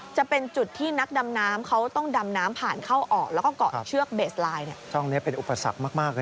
จะเป็นจุดที่นักดำน้ำเขาต้องดำน้ำผ่านเข้าออก